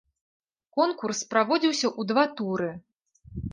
Конкурс праводзіўся ў два туры.